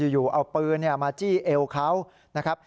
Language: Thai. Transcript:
อยู่เอาปืนมาจี้เอวเขานะครับ